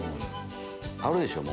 あるでしょ？